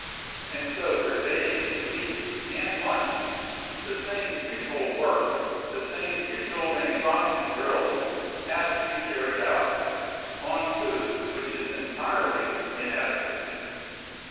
And so for days, weeks and months the same futile work, the same futile and exhausting drill has to be carried out, on food which is entirely inadequate.